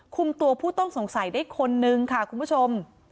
คุมตัวผู้ต้องสงสัยได้คนนึงค่ะคุณผู้ชม